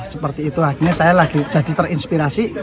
seperti itu akhirnya saya lagi jadi terinspirasi